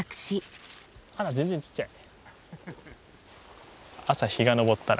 あら全然ちっちゃい。